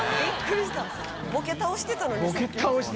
ボケ倒してたのに。